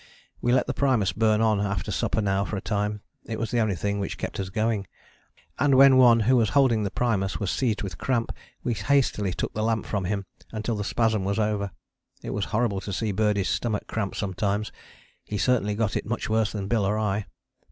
We let the primus burn on after supper now for a time it was the only thing which kept us going and when one who was holding the primus was seized with cramp we hastily took the lamp from him until the spasm was over. It was horrible to see Birdie's stomach cramp sometimes: he certainly got it much worse than Bill or I.